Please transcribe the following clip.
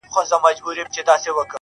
هغه د هغه عین